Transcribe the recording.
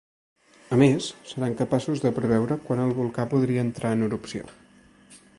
A més, seran capaços de preveure quan el volcà podria entrar en erupció.